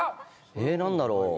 えっ、何だろう？